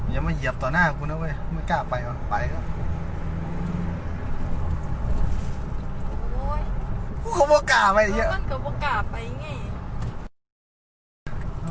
อย่ามาเหยียบต่อหน้ากูนะเว้ยไม่กล้าไปครับ